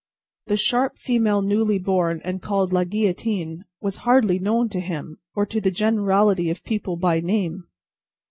The "sharp female newly born, and called La Guillotine," was hardly known to him, or to the generality of people, by name.